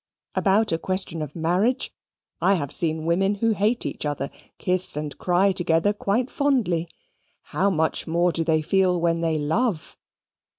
About a question of marriage I have seen women who hate each other kiss and cry together quite fondly. How much more do they feel when they love!